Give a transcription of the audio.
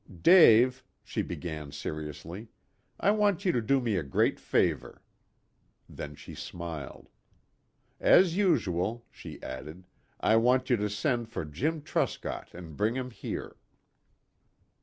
"Dave," she began seriously, "I want you to do me a great favor." Then she smiled. "As usual," she added. "I want you to send for Jim Truscott and bring him here."